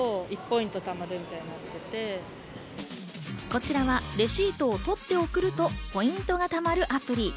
こちらはレシート撮って送るとポイントが貯まるアプリ。